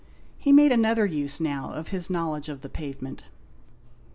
He made another use now of his knowledge of the pavement.